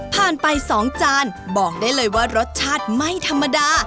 ไป๒จานบอกได้เลยว่ารสชาติไม่ธรรมดา